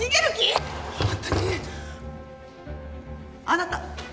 あなた。